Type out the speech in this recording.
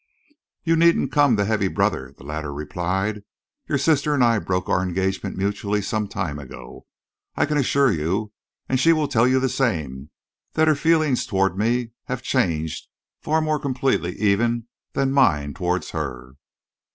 "You needn't come the heavy brother," the latter replied. "Your sister and I broke our engagement mutually, some time ago. I can assure you, and she will tell you the same, that her feelings towards me have changed far more completely even than mine towards her."